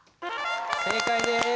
正解です。